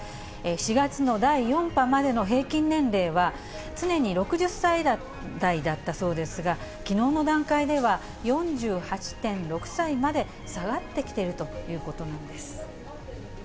４月の第４波までの平均年齢は、常に６０歳代だったそうですが、きのうの段階では、４８．６歳まで下がってきているということなんです。